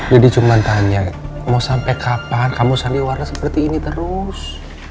dedi cuma tanya mau sampai kapan kamu saliwara seperti ini terus